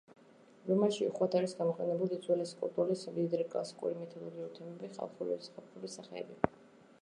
რომანში უხვად არის გამოყენებული უძველესი კულტურული სიმდიდრე: კლასიკური მითოლოგიური თემები, ხალხური ზღაპრული სახეები.